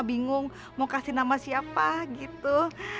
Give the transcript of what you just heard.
bingung mau kasih nama siapa gitu